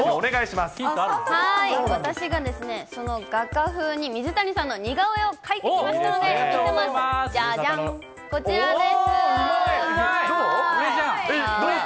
はーい、私がその画家風に、水谷さんの似顔絵を描いてきましたので。